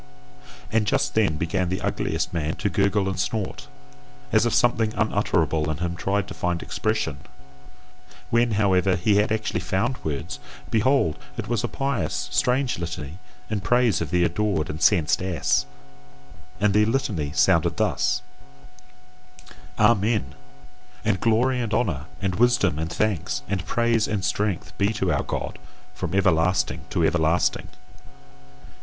And just then began the ugliest man to gurgle and snort, as if something unutterable in him tried to find expression; when, however, he had actually found words, behold! it was a pious, strange litany in praise of the adored and censed ass. And the litany sounded thus: Amen! And glory and honour and wisdom and thanks and praise and strength be to our God, from everlasting to everlasting!